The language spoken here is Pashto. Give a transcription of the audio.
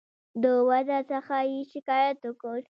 د وضع څخه یې شکایت وکړ.